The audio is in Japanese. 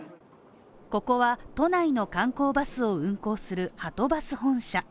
ここは都内の観光バスを運行するはとバス本社。